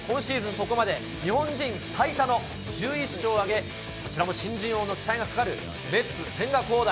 ここまで日本人最多の１１勝を挙げ、こちらも新人王の期待がかかるメッツ、千賀滉大。